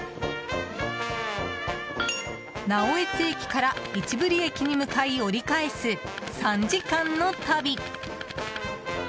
直江津駅から市振駅に向かい折り返す３時間の旅。